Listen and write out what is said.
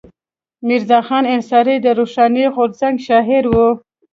میرزا خان انصاري د روښاني غورځنګ شاعر و.